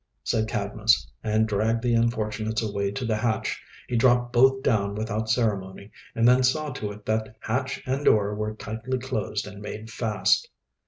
said Cadmus, and dragged the unfortunates away to the hatch. He dropped both down without ceremony, and then saw to it that hatch and door were tightly closed and made fast.